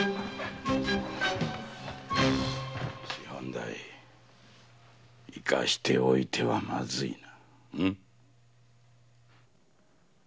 師範代生かしておいてはまずいな。